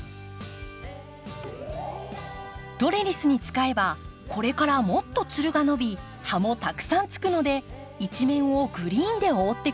トレリスに使えばこれからもっとつるが伸び葉もたくさんつくので一面をグリーンで覆ってくれます。